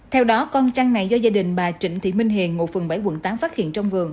theo đó con chăn này do gia đình bà trịnh thị minh hiền ngụ phường bảy quận tám phát hiện trong vườn